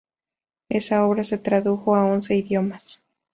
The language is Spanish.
Esa obra se tradujo a once idiomas.